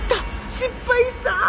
失敗した！